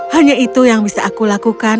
hanya itu yang bisa aku lakukan